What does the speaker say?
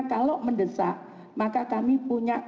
kalau mendesak maka kami punya